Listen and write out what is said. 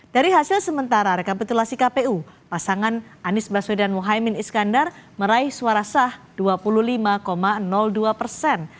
dari hasil sementara rekapitulasi kpu pasangan anies baswedan mohaimin iskandar meraih suara sah dua puluh lima dua persen